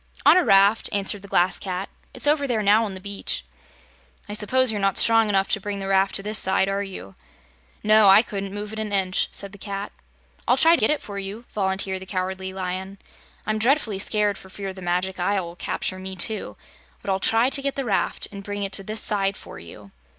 "On a raft," answered the Glass Cat. "It's over there now on the beach." "I suppose you're not strong enough to bring the raft to this side, are you?" "No; I couldn't move it an inch," said the Cat. "I'll try to get it for you," volunteered the Cowardly Lion. "I'm dreadfully scared for fear the Magic Isle will capture me, too; but I'll try to get the raft and bring it to this side for you."